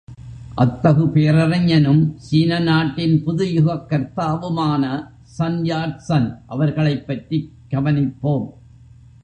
அத்தகு பேரறிஞனும், சீன நாட்டின் புதுயுகக் கர்த்தாவுமான சன் யாட் சன் அவர்களைப்பற்றி கவனிப்போம்.